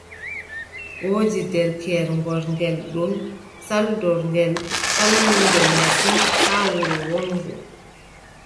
Woodi derkeyel gorngel ɗon, saldorngel, kallungel masin haa wuro wonngo.